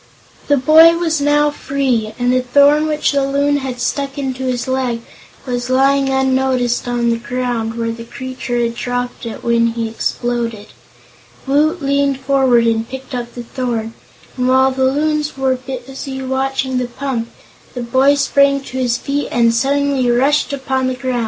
The boy was now free, and the thorn which the Loon had stuck into his leg was lying unnoticed on the ground, where the creature had dropped it when he exploded. Woot leaned forward and picked up the thorn, and while the Loons were busy watching the pump, the boy sprang to his feet and suddenly rushed upon the group.